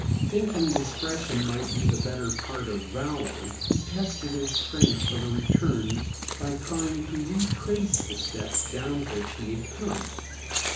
Thinking discretion might be the better part of valor, he tested his strength for the return by trying to retrace the steps down which he had come.